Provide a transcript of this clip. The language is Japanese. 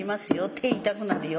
手痛くなるよ。